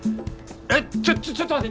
えっちょちょっと待って！